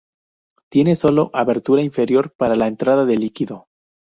Tiene sólo abertura inferior para la entrada de líquido.